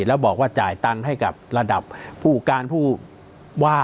แล้วบอกว่าจ่ายตังค์ให้กับระดับผู้การผู้ว่า